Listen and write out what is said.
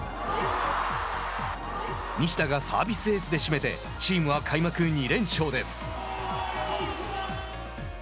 西田がサービスエースで締めてチームは開幕２連勝です。